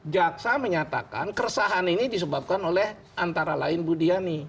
jaksa menyatakan keresahan ini disebabkan oleh antara lain budiani